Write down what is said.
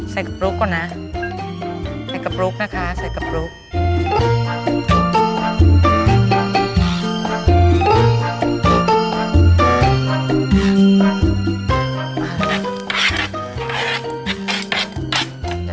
ใส่กระปลุกก่อนนะใส่กระปลุกนะคะใส่กระปลุก